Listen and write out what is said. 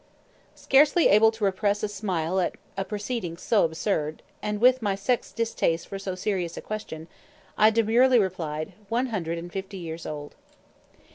Scarcely able to repress a smile at a proceeding so absurd, and with my sex's distaste for so serious a question, I demurely replied, "One hundred and fifty years old."